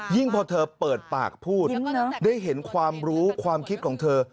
พอเธอเปิดปากพูดได้เห็นความรู้ความคิดของเธอ